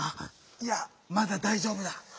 いやまだだいじょうぶだ。